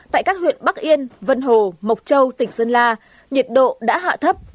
tại các huyện bắc yên vân hồ mộc châu tỉnh sơn la nhiệt độ đã hạ thấp